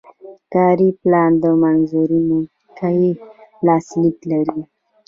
کاري پلان د منظوروونکي لاسلیک لري.